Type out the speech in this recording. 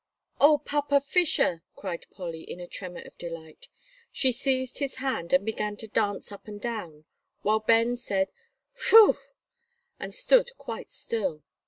"Oh, Papa Fisher!" cried Polly, in a tremor of delight. She seized his hand and began to dance up and down, while Ben said, "Whew!" and stood quite still.